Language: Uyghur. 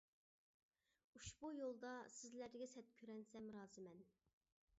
ئۇشبۇ يولدا سىزلەرگە سەت كۆرۈنسەم رازىمەن.